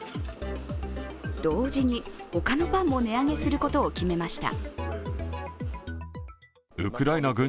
同時に他のパンも値上げすることを決めました。